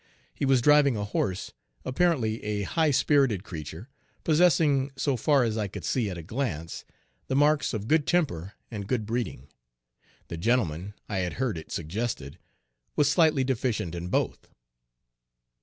He was driving a horse, apparently a high spirited creature, possessing, so far as I could see at a glance, the marks of good temper and good breeding; the gentleman, I had heard it suggested, was slightly deficient in both.